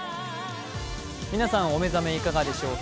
皆さん、お目覚めいかがでしょうか。